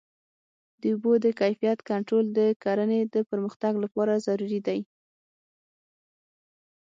د اوبو د کیفیت کنټرول د کرنې د پرمختګ لپاره ضروري دی.